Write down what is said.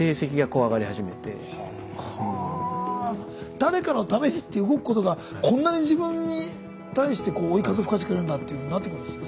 誰かのためにって動くことがこんなに自分に対して追い風吹かしてくれるんだっていうふうになってくるんですね。